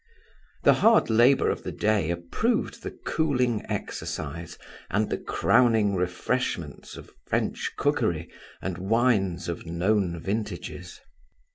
The hard labour of the day approved the cooling exercise and the crowning refreshments of French cookery and wines of known vintages.